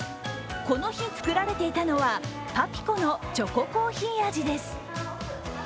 この日作られていたのはパピコのチョココーヒー味です。